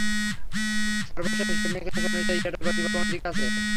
সর্বশেষ হিসেবনিকেশ অনুযায়ী এটার গতিপথ কোনদিকে আছে?